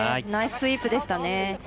ナイススイープでしたね。